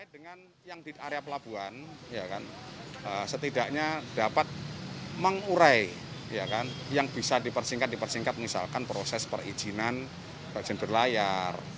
dengan yang di area pelabuhan setidaknya dapat mengurai yang bisa dipersingkat dipersingkat misalkan proses perizinan rajin berlayar